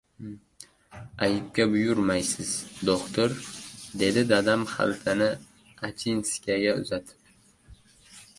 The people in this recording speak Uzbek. — Aybga buyurmaysiz, do‘xtir, — dedi dadam xaltani Achinskaga uzatib.